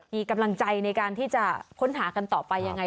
มีกำลังใจในการที่จะค้นหากันต่อไปยังไง